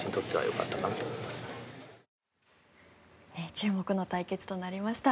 注目の対決となりました。